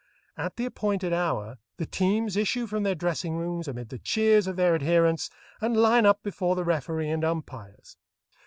At the appointed hour the teams issue from their dressing rooms amid the cheers of their adherents and line up before the referee and umpires.